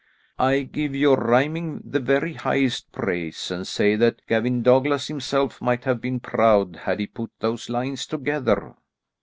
"I give your rhyming the very highest praise, and say that Gavin Douglas himself might have been proud had he put those lines together."